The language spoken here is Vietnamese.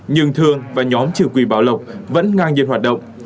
nhưng thương và nhóm trừ quỷ bảo lộc vẫn ngang nhiên hoạt động